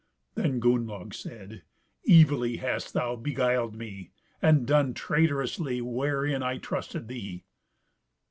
Then Gunnlaug said, "Evilly hast thou beguiled me, and done traitorously wherein I trusted thee."